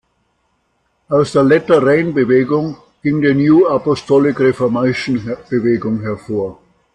Aus der "Latter-Rain"-Bewegung ging die "New-Apostolic-Reformation"-Bewegung hervor.